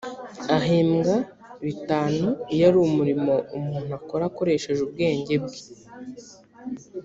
ahembwa bitanu iyo ari umurimo umuntu akora akoresheje ubwenge bwe